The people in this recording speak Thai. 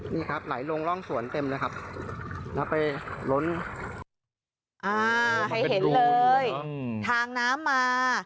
นี่ครับไหลลงร่องสวนเต็มเลยครับแล้วไปล้นอ่าให้เห็นเลยทางน้ำมา